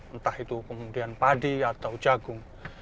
entah itu kemudian padi atau jagung